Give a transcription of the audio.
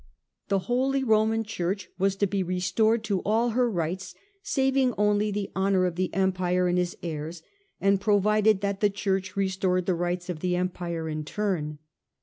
The Holy Roman Church was to be restored to all her rights, saving only the honour of the Empire and his heirs, and provided that the Church restored the rights of the Empire in turn.